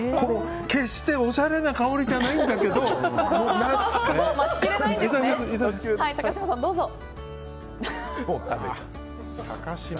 決しておしゃれな香りじゃないんだけど懐かしい。